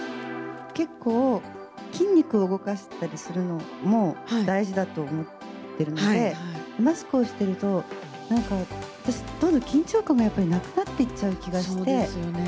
結構、筋肉を動かしたりするのも大事だと思ってるので、マスクをしてると、なんか、私どんどん緊張感がやっぱりなくなっていっちゃう気がして。